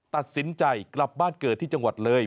ตัดสินใจกลับบ้านเกิดที่จังหวัดเลย